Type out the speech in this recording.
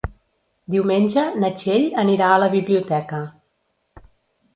Diumenge na Txell anirà a la biblioteca.